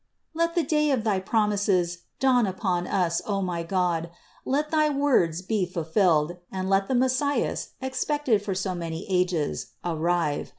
Let the day of thy promises dawn upon us, O my God, let thy words be fulfilled, and let the Messias, expected for so many ages, arrive.